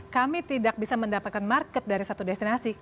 kami tidak bisa mendapatkan market dari satu destinasi